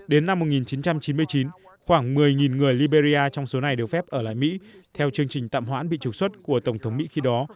đến năm một nghìn chín trăm chín mươi chín khoảng một mươi người liberia trong số này đều phép ở lại mỹ theo chương trình tạm hoãn bị trục xuất của tổng thống mỹ khi đó